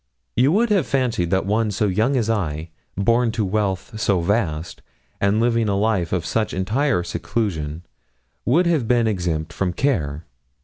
You would have fancied that one so young as I, born to wealth so vast, and living a life of such entire seclusion, would have been exempt from care.